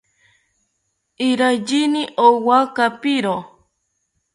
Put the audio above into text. Iraiyini owa kapiro